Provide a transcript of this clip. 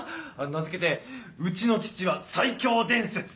名付けて「うちの父は最強伝説」。